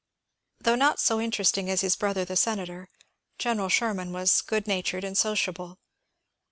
Though not so interesting as his brother the senator, Greneral Sherman was good natured and sociable.